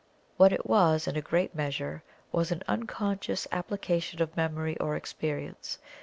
What it was, in a great measure, was an unconscious application of memory or experience.